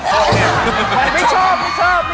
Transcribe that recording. ไม่ชอบไม่ชอบ